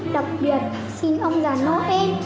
đặc biệt xin ông già noel